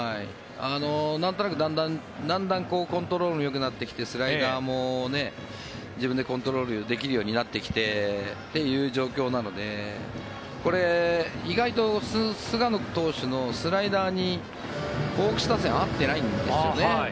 なんとなく、だんだんコントロールもよくなってきてスライダーも自分でコントロールできるようになってきてという状況なのでこれ、意外と菅野投手のスライダーにホークス打線が合ってないんですよね。